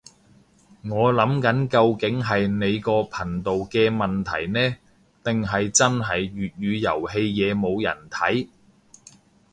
我諗緊究竟係你個頻道嘅問題呢，定係真係粵語遊戲嘢冇人睇